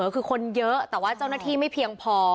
คือคนเยอะแต่ว่าเจ้าหน้าที่ไม่เพียงพอ